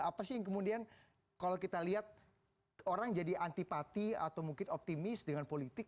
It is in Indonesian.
apa sih yang kemudian kalau kita lihat orang jadi antipati atau mungkin optimis dengan politik